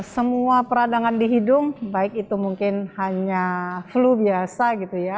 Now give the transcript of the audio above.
semua peradangan di hidung baik itu mungkin hanya flu biasa gitu ya